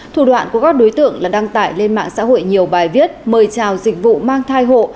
thủ đoạn của các đối tượng là đăng tải lên mạng xã hội nhiều bài viết mời chào dịch vụ mang thai hộ